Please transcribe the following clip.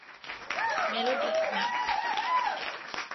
Melody, না।